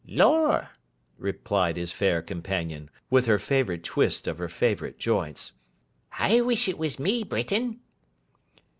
'Lor!' replied his fair companion, with her favourite twist of her favourite joints. 'I wish it was me, Britain!